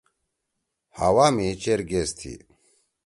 ہوا می چیر گیس تھی۔